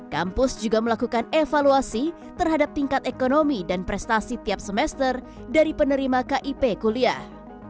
kampus juga melakukan evaluasi terhadap tingkat ekonomi dan prestasi tiap semester dari penerima kip kuliah